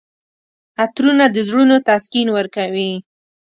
عطرونه د زړونو تسکین ورکوي.